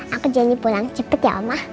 aku jalanin pulang cepet ya oma